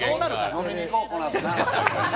飲みに行こう、このあとな。